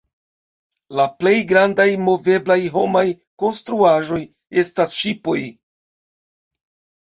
La plej grandaj moveblaj homaj konstruaĵoj estas ŝipoj.